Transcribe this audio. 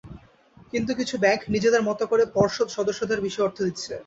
কিন্তু কিছু ব্যাংক নিজেদের মতো করে পর্ষদ সদস্যদের বেশি অর্থ দিচ্ছে।